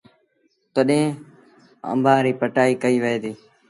تڏهيݩ آݩبآݩ ريٚ پٽآئيٚ ڪئيٚ وهي ديٚ۔